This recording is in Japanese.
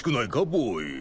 ボーイ。